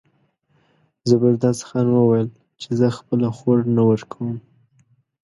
زبردست خان وویل چې زه خپله خور نه ورکوم.